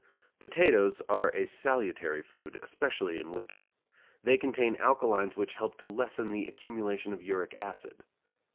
Potatoes are a salutary food, especially in winter. They contain alkalies which help to lessen the accumulation of uric acid.